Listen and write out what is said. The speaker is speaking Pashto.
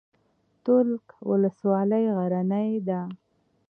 تولک ولسوالۍ غرنۍ ده؟